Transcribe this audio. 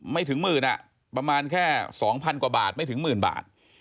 ไม่ถึงหมื่นอ่ะประมาณแค่๒๐๐กว่าบาทไม่ถึงหมื่นบาท